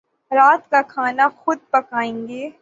رات کا کھانا خود پکائیں گے